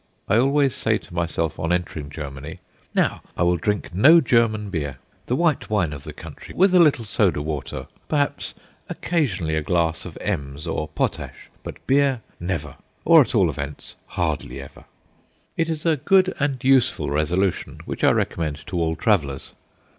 I always say to myself on entering Germany: "Now, I will drink no German beer. The white wine of the country, with a little soda water; perhaps occasionally a glass of Ems or potash. But beer, never or, at all events, hardly ever." It is a good and useful resolution, which I recommend to all travellers.